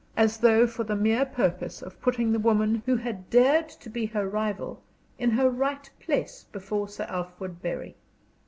as though for the mere purpose of putting the woman who had dared to be her rival in her right place before Sir Wilfrid Bury.